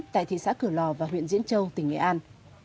tại thị xã cửa lò và huyện diễn châu tỉnh nghệ an